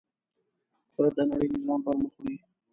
قدرت د نړۍ نظام پر مخ وړي.